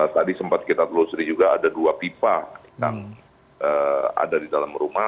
tadi sempat kita telusuri juga ada dua pipa yang ada di dalam rumah